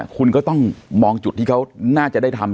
คุณก็ต้องมองจุดที่เขาน่าจะได้ทำ